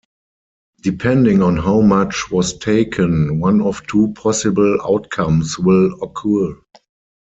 Depending on how much was taken, one of two possible outcomes will occur.